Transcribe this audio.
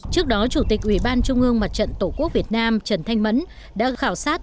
trước đó chủ tịch ủy ban trung ương mặt trận tổ quốc việt nam trần thanh mẫn đã khảo sát